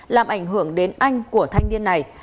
làm ảnh hưởng đến anh của thanh niên này